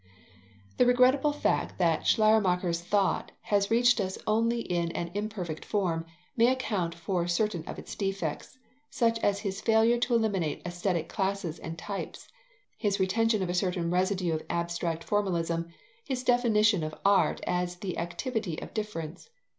The regrettable fact that Schleiermacher's thought has reached us only in an imperfect form, may account for certain of its defects, such as his failure to eliminate aesthetic classes and types, his retention of a certain residue of abstract formalism, his definition of art as the activity of difference.